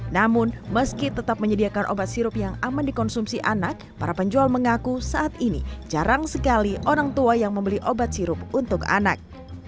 namun meski tetap menyediakan obat sirup yang aman dikonsumsi anak para penjual mengaku saat ini jarang sekali orang tua yang membeli obat sirup untuk anak